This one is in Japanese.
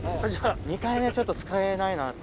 ２回目ちょっと使えないなって。